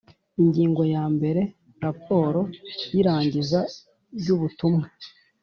Ingingo yambere Raporo y irangiza ry ubutumwa